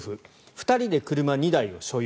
２人で車２台を所有。